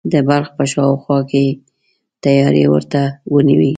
د بلخ په شاوخوا کې یې تیاری ورته ونیوی.